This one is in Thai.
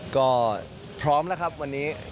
ก็พร้อมแล้วครับวันนี้